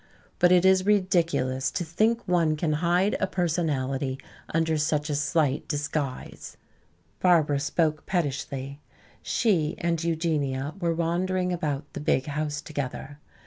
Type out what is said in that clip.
But it is ridiculous to think one can hide a personality under such a slight disguise." Barbara spoke pettishly. She and Eugenia were wandering about the big house together.